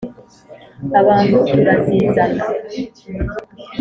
abantu turazizana.